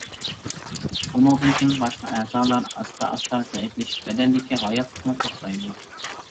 ئۇنىڭدىن كېيىن باشقا ئەزالار ئاستا-ئاستا زەئىپلىشىپ، بەدەندىكى ھاياتلىقمۇ توختايدۇ.